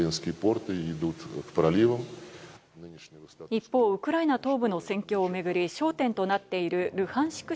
一方、ウクライナ東部の戦況をめぐり焦点となっているルハンシク